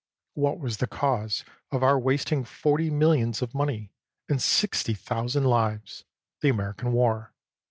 "What was the cause of our wasting forty millions of money, and sixty thousand lives? The American war!